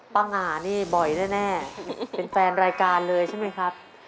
ง่านี่บ่อยแน่เป็นแฟนรายการเลยใช่ไหมครับ